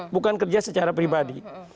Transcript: bukan kerja secara pribadi